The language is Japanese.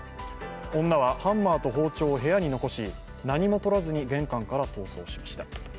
女はハンマーと包丁を部屋に残し何も取らずに玄関から逃走しました。